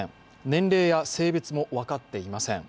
年齢や性別も分かっていません。